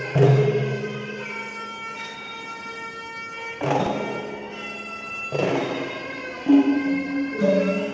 สวัสดีครับทุกคน